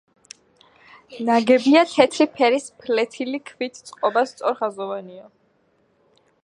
ნაგებია თეთრი ფერის ფლეთილი ქვით, წყობა სწორხაზოვანია.